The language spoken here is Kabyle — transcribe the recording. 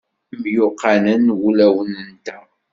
Myuqqanen wulawen-nteɣ.